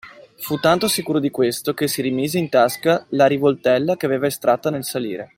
Fu tanto sicuro di questo, che si rimise in tasca la rivoltella che aveva estratta nel salire.